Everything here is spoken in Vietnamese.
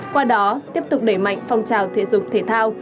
qua đó tiếp tục đẩy mạnh phong trào thể dục thể thao